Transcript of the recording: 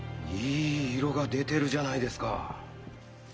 いい色が出てるじゃないですか。